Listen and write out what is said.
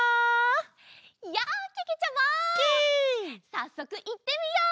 さっそくいってみよう！